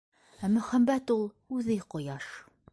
Ә мөхәббәт ул үҙе Ҡояш!